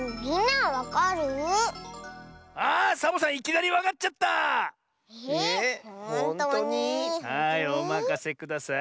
はいおまかせください。